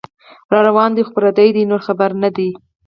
راروان دی خو پردې نو خبر نه دی